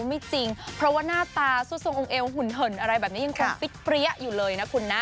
ผมเจอมาเยอะครับอย่างบอกเลย